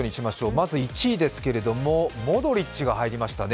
まずは１位ですけれども、モドリッチが入りましたね。